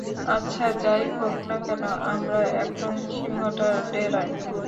আচ্ছা, যাই হোক না কেন, আমরা এখন সিংহটার ডেরায়।